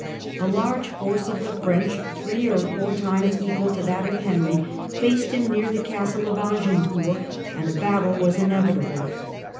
A large force of the French, three or four times equal to that of Henry, faced him near the Castle of Agincourt, and a battle was inevitable.